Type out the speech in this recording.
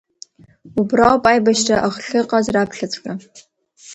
Уыбрауп аибашьра ахыҟаз раԥхьаҵәҟьа.